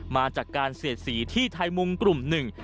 มาจากการเสดศีทายละทำทรวงกลุ่มหนึ่ง